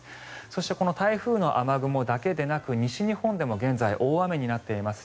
そしてこの台風の雨雲だけでなく西日本でも現在、大雨になっています。